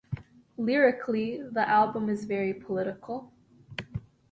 Lyrically, the album is very political.